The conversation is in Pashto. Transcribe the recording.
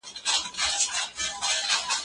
موږ به بیا کله دلته راشو؟